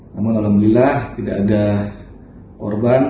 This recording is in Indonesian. namun alhamdulillah tidak ada korban